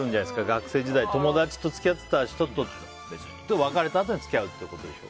学生時代友達と付き合ってた人と別れたあとに付き合うってことでしょ。